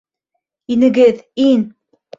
Инегеҙ! Ин!